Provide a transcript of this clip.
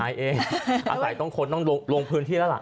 อาศัยต้องคนต้องลงพื้นที่แล้วล่ะ